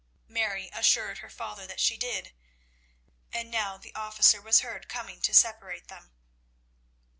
Mary assured her father that she did. And now the officer was heard coming to separate them.